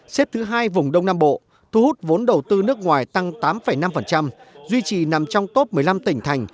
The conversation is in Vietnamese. xếp thứ hai vùng đông nam bộ thu hút vốn đầu tư nước ngoài tăng tám năm duy trì nằm trong top một mươi năm tỉnh thành